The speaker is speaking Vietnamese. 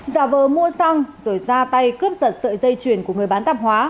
giả vờ mua xăng rồi ra tay cướp giật sợi dây chuyền của người bán tạp hóa